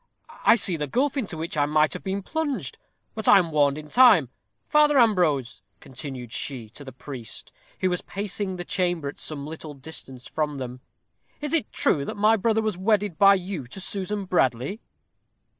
I see the gulf into which I might have been plunged; but I am warned in time. Father Ambrose," continued she, to the priest, who was pacing the chamber at some little distance from them, "is it true that my brother was wedded by you to Susan Bradley?"